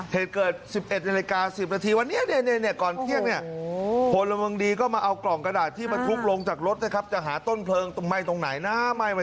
เหตุเกิด๑๑นาฬิกา๑๐นาทีวันนี้นี่